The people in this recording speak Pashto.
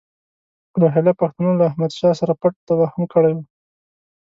روهیله پښتنو له احمدشاه سره پټ تفاهم کړی وو.